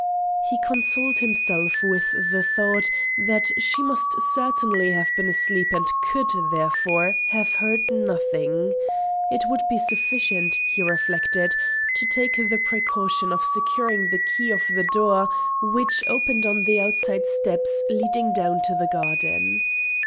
He consoled himself with the thought that she must certainly have been asleep and could, therefore, have heard nothing. It would be sufficient, he reflected, to take the precaution of securing the key of the door which opened on the outside steps leading down to the garden.